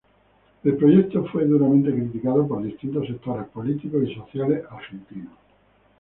El proyecto fue duramente criticado por distintos sectores políticos y sociales argentinos.